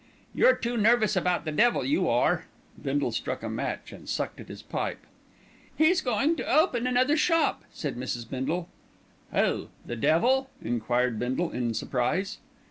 You're too nervous about the devil, you are," Bindle struck a match and sucked at his pipe. "He's going to open another shop," said Mrs. Bindle. "Who, the devil?" enquired Bindle in surprise.